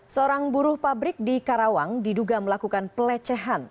seorang buruh pabrik di karawang diduga melakukan pelecehan